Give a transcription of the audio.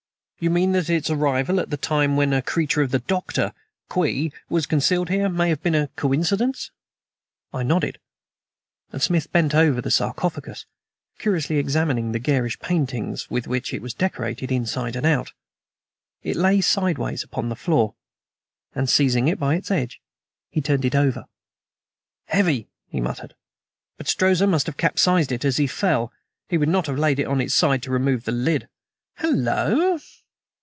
"You mean that its arrival at the time when a creature of the Doctor Kwee was concealed here, may have been a coincidence?" I nodded; and Smith bent over the sarcophagus, curiously examining the garish paintings with which it was decorated inside and out. It lay sideways upon the floor, and seizing it by its edge, he turned it over. "Heavy," he muttered; "but Strozza must have capsized it as he fell. He would not have laid it on its side to remove the lid. Hallo!"